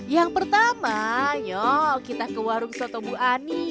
yang pertama yuk kita ke warung soto bu ani